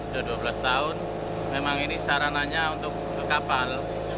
sudah dua belas tahun memang ini sarananya untuk ke kapal